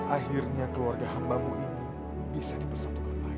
akhirnya keluarga hambamu ini bisa dipersatukan lagi